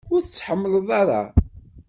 Ur tt-tḥemmleḍ ara?